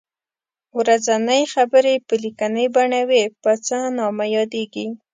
ورځنۍ خبرې په لیکنۍ بڼه وي په څه نامه یادیږي.